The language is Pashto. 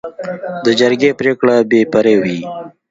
د جرګې پریکړه بې پرې وي.